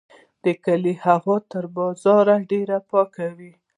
د کلیو هوا تر بازار ډیره پاکه وي.